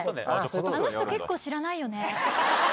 あの人、結構知らないよね。